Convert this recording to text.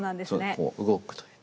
こう動くという。